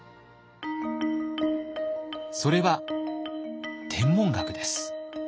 それは天文学です。